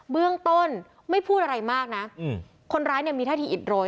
เบื้องต้นไม่พูดอะไรมากนะคนร้ายเนี่ยมีท่าทีอิดโรย